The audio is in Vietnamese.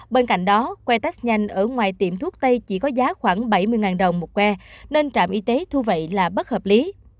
bên cạnh đó que test nhanh ở ngoài tiệm thuốc tây chỉ có giá khoảng bảy mươi đồng một que nên trạm y tế thu vậy là bất hợp lý